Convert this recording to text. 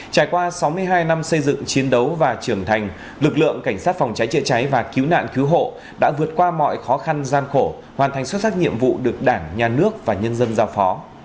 trải qua sáu mươi hai năm xây dựng chiến đấu và trưởng thành lực lượng cảnh sát phòng cháy chữa cháy và cứu nạn cứu hộ đã vượt qua mọi khó khăn gian khổ hoàn thành xuất sắc nhiệm vụ được đảng nhà nước và nhân dân giao phó